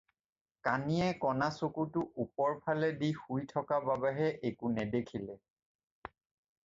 কাণীয়ে কণা চকুটো ওপৰফালে দি শুই থকা বাবেহে একো নেদেখিলে।